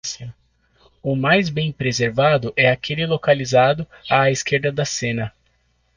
O mais bem preservado é aquele localizado à esquerda da cena.